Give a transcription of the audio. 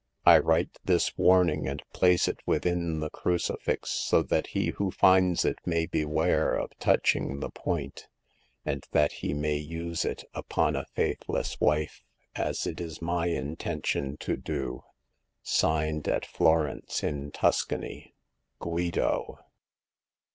I write this warning and place it within the crucifix, so that he who finds it may beware of touching the point ; and that he may use it upon a faithless wife, as it is my intention to do. — Signed at Florence in Tuscany, " GUIDO."